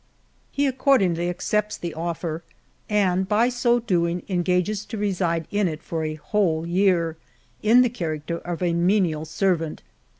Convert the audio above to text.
He accordingly accepts the offer, and by so doing engages to reside in it for a whole year, in the character of a menial servant.